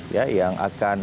ya yang akan